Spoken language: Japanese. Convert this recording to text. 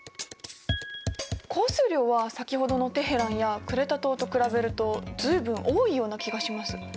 降水量は先ほどのテヘランやクレタ島と比べると随分多いような気がします。